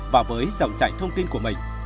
và với dòng chảy thông tin của mình